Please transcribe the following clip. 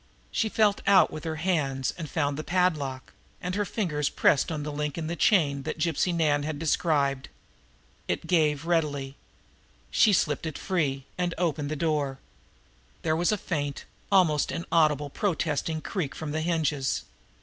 She felt out with her hands and found the padlock, and her fingers pressed on the link in the chain that Gypsy Nan had described. It gave readily. She slipped it free, and opened the door. There was faint, almost inaudible, protesting creak from the hinges.